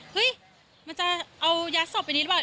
เฮ้ยมันจะเอายัดศพอย่างนี้หรือเปล่า